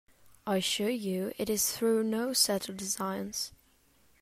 I assure you it is through no settled designs.